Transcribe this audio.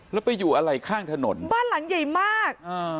แล้วไปอยู่อะไรข้างถนนบ้านหลังใหญ่มากอ่า